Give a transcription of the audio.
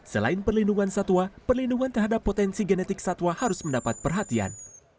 selain perlindungan satwa perlindungan terhadap potensi genetik satwa harus mendapat perhatian